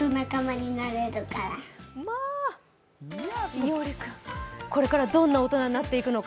伊織君、これからどんな大人になっていくのか。